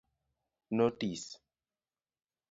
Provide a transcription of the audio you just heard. Notis;